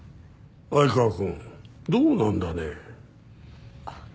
愛川くんどうなんだね？